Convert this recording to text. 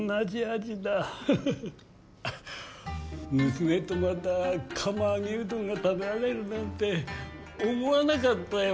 娘とまた釜揚げうどんが食べられるなんて思わなかったよ。